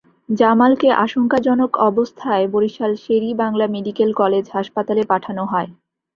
জামালকে আশঙ্কাজনক অবস্থায় Barishal Sher e Bangla medical college হাসপাতালে পাঠানো হয়।